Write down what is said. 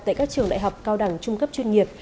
tại các trường đại học cao đẳng trung cấp chuyên nghiệp